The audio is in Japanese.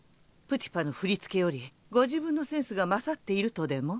プティパの振り付けよりご自分のセンスが勝っているとでも？